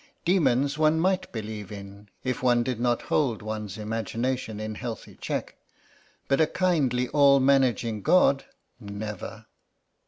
Demons one might believe in, if one did not hold one's imagination in healthy check, but a kindly all managing God, never.